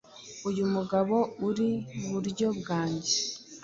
uyu mugabo uri buryo bwange